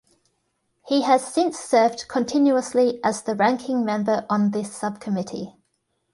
He has since served continuously as the Ranking Member on this Subcommittee.